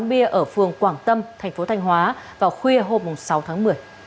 quán bia ở phường quảng tâm thành phố thanh hóa vào khuya hôm sáu tháng một mươi